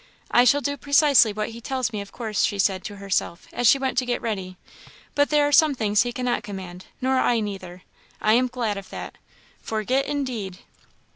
"I shall do precisely what he tells me, of course," she said to herself, as she went to get ready; "but there are some things he cannot command; nor I neither I am glad of that! Forget, indeed!"